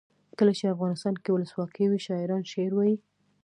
کله چې افغانستان کې ولسواکي وي شاعران شعر وايي.